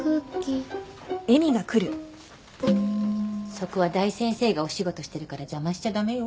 そこは大先生がお仕事してるから邪魔しちゃ駄目よ。